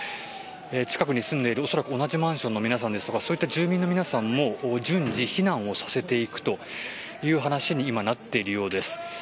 近くに住んでいる、恐らく同じマンションの皆さんですとか住民の皆さんも順次避難させていくという話に今、なっているようです。